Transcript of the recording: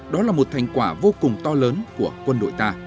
đó là một thành quả vô cùng to lớn của quân đội ta